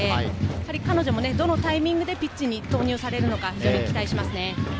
彼女もどのタイミングでピッチに投入されるのか期待したいですね。